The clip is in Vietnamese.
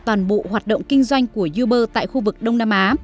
toàn bộ hoạt động kinh doanh của uber tại khu vực đông nam á